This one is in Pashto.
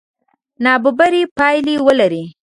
نابرابرې پایلې ولري.